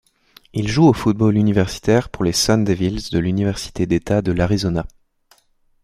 Il joue au football universitaire pour les Sun Devils de l'université d'État de l'Arizona.